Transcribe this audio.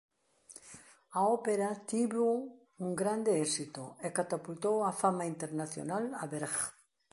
A ópera tivo un grande éxito e catapultou á fama internacional a Berg.